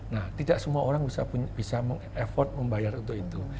nah tidak semua orang bisa mengeffort membayar untuk itu